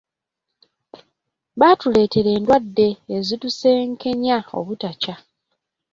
"Baatuleetera endwadde, ezitusenkenya obutakya."